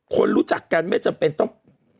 คนรู้จักกันไม่จำเป็นต้อง